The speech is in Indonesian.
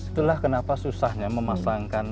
itulah kenapa susahnya memasangkan